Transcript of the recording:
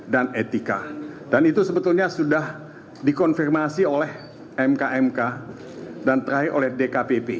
dan itu sebetulnya sudah dikonfirmasi oleh mk mk dan terakhir oleh dkpp